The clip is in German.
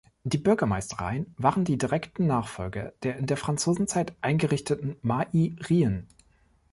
Die Bürgermeistereien waren die direkten Nachfolger der in der Franzosenzeit eingerichteten Mairien.